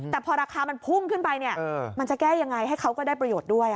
แต่พอราคามันพุ่งขึ้นไปเนี่ยมันจะแก้ยังไงให้เขาก็ได้ประโยชน์ด้วย